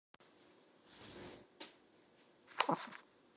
あるいは閉じ、あるいは開く。陰と陽が消長するさま。「闔」は閉じる。「闢」は開く意。